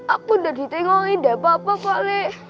aku udah ditengokin dah papa pak lek